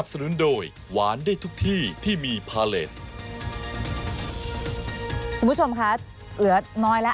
คุณผู้ชมคะเหลือน้อยแล้ว